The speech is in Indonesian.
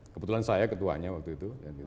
kebetulan saya ketuanya waktu itu